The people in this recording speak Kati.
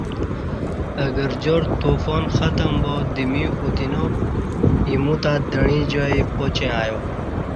اہ گرجار طوفان ختم با دمی اُتینا، اِیمیو تہ دعیں جائی پاچیں ایا